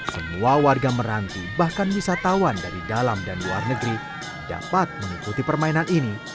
semua warga meranti bahkan wisatawan dari dalam dan luar negeri dapat mengikuti permainan ini